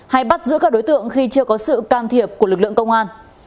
hay bắt giữ các đối tượng khi chưa có sự can thiệp của lực lượng công an